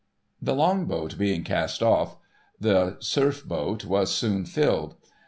The Long boat being cast off, the Surf boat was soon filled.